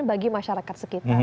bagi masyarakat sekitar